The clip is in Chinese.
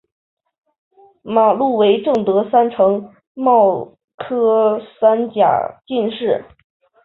马录为正德三年戊辰科三甲进士。